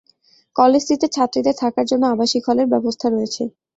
কলেজটিতে ছাত্রীদের থাকার জন্য আবাসিক হলের ব্যবস্থা রয়েছে।